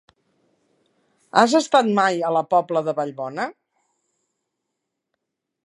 Has estat mai a la Pobla de Vallbona?